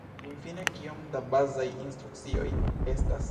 Finfine, kiom da bazaj instrukcioj estas?